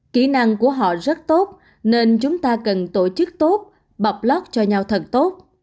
kỹ năng của họ rất tốt nên chúng ta cần tổ chức tốt bọc lót cho nhau thật tốt